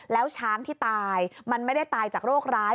แล้วช้างที่ตายมันไม่ได้ตายจากโรคร้าย